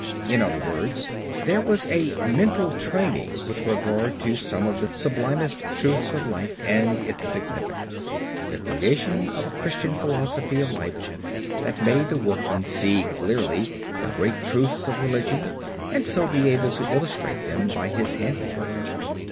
In other words, there was a mental training with regard to some of the sublimest truths of life and its significance, the creation of a Christian philosophy of life, that made the workman see clearly the great truths of religion and so be able to illustrate them by his handiwork.